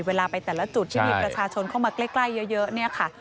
เวลาไปแต่ละจุดที่มีประชาชนเข้ามาใกล้เยอะเนี่ยค่ะ